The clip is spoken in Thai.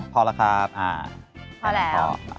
พอแล้วครับพอแล้ว